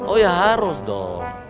oh ya harus dong